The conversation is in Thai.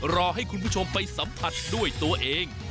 รอให้คุณผู้ชมไปสัมผัสด้วยตัวเอง